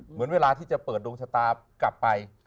เหมือนเวลาที่จะเปิดดวงชะตากลับไป